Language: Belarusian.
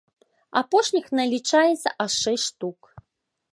Апошніх налічаецца аж шэсць штук.